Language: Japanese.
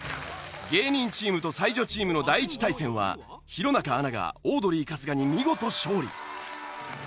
芸人チームと才女チームの第１対戦は弘中アナがオードリー春日に見事勝利！